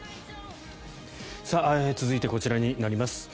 続いてこちらになります。